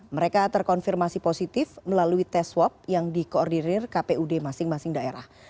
mereka terkonfirmasi positif melalui tes swab yang dikoordinir kpud masing masing daerah